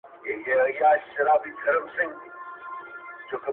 زورور هم تر چنګېز هم تر سکندر دی،